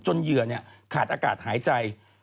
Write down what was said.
เหยื่อขาดอากาศหายใจ